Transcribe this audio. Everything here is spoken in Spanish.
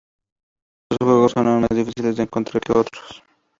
Algunos de estos juegos son aún más difíciles de encontrar que otros.